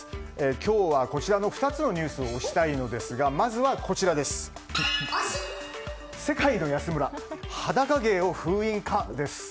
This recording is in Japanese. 今日は、こちらの２つのニュースを推したいのですがまずは世界の安村裸芸を封印かです。